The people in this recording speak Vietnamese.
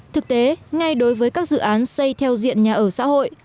thực tế ngay đối với các dự án xây theo diện nhà ở xã hội